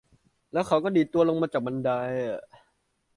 แล้วเขาก็ดีดตัวลงมาจากบันได